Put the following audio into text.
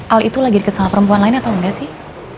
al itu lagi dekat sama perempuan lain atau enggak sih